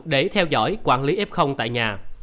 để theo dõi quản lý f tại nhà